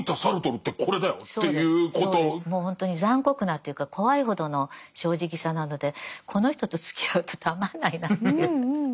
もうほんとに残酷なというか怖いほどの正直さなのでこの人とつきあうとたまんないなという。